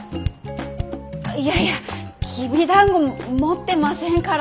いやいやきびだんご持ってませんから。